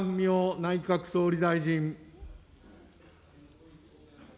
内閣総理大臣。